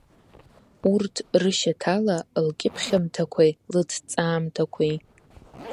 Урҭ рышьаҭала лкьыԥхьымҭақәеи лыҭҵаамҭақәеи…